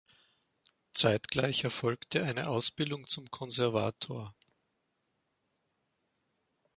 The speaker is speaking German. Zeitgleich erfolgte eine Ausbildung zum Konservator.